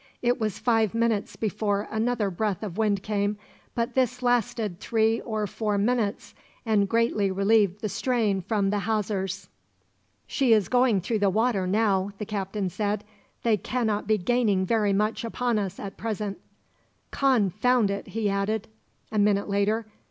It was five minutes before another breath of wind came, but this lasted three or four minutes, and greatly relieved the strain from the hawsers. "She is going through the water now," the captain said. "They cannot be gaining very much upon us, at present. "Confound it!" he added, a minute later.